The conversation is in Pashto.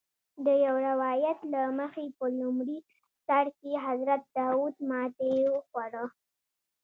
د یو روایت له مخې په لومړي سر کې حضرت داود ماتې وخوړه.